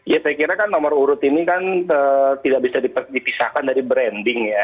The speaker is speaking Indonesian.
ya saya kira kan nomor urut ini kan tidak bisa dipisahkan dari branding ya